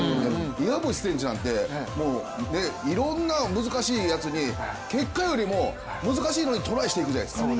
岩渕選手なんて、いろんな難しいやつに結果よりも難しいのにトライしていくじゃないですか。